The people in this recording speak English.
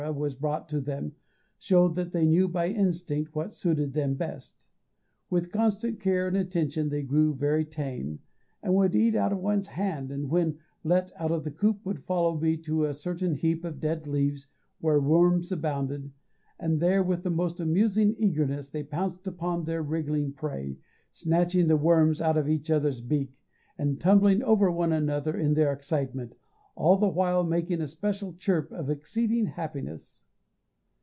was brought them, showed that they knew by instinct what suited them best. With constant care and attention they grew very tame, and would eat out of one's hand, and when let out of the coop would follow me to a certain heap of dead leaves where worms abounded, and there, with the most amusing eagerness, they pounced upon their wriggling prey, snatching the worms out of each other's beak, and tumbling over one another in their excitement, all the while making a special chirp of exceeding happiness.